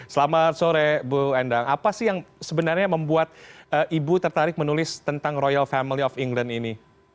selamat sore bu endang apa sih yang sebenarnya membuat ibu tertarik menulis tentang royal family of england ini